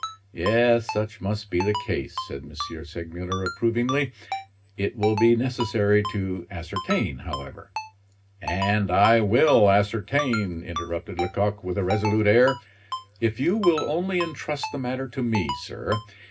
"Yes, such must be the case," said M. Segmuller, approvingly. "It will be necessary to ascertain, however " "And I will ascertain," interrupted Lecoq, with a resolute air, "if you will only intrust the matter to me, sir.